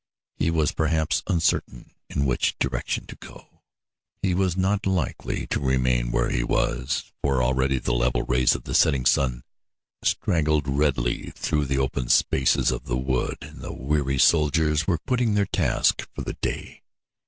He was perhaps uncertain in which direction to go; he was not likely to remain long where he was, for already the level rays of the setting sun straggled redly through the open spaces of the wood and the weary soldiers were quitting their task for the day.